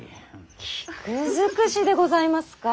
菊尽くしでございますか？